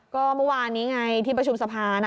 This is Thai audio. ก็เมื่อวานนี้ไงที่ประชุมสภานะ